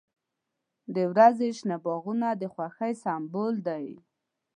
• د ورځې شنه باغونه د خوښۍ سمبول دی.